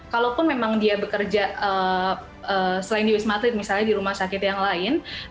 kalaupun memang dia bekerja selain di wisma atlet misalnya di rumah sakit yang lain